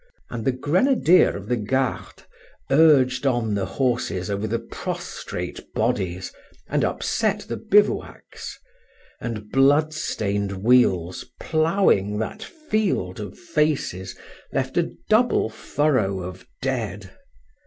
And the grenadier of the Garde urged on the horses over the prostrate bodies, and upset the bivouacs; the blood stained wheels ploughing that field of faces left a double furrow of dead.